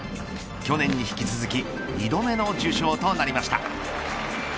去年に引き続き２度目の受賞となりました。